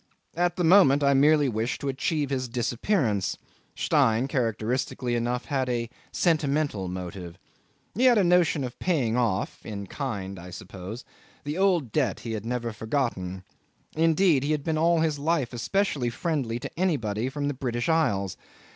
At the moment I merely wished to achieve his disappearance; Stein characteristically enough had a sentimental motive. He had a notion of paying off (in kind, I suppose) the old debt he had never forgotten. Indeed he had been all his life especially friendly to anybody from the British Isles.